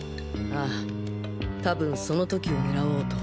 あぁ多分その時を狙おうと。